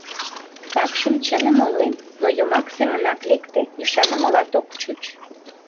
Такшым чыным ойлем, но йомак семынак лекте, ӱшанымылат ок чуч...